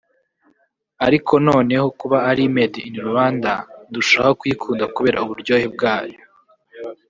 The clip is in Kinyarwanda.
ariko noneho kuba ari Made in Rwanda ndushaho kuyikunda kubera uburyohe bwayo